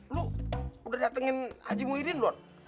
lo udah datengin haji muhyiddin doang